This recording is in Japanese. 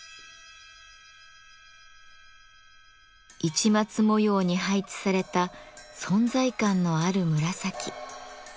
市松模様に配置された存在感のある紫。